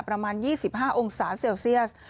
ประมาณ๒๕องศาเซลเซียส